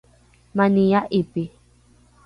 mani a’ipi